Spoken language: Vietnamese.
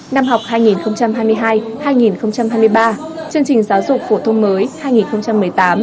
năm học hai nghìn hai mươi hai hai nghìn hai mươi ba chương trình giáo dục phổ thông mới hai nghìn một mươi tám